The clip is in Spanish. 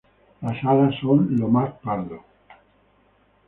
Las alas son lo más pardo.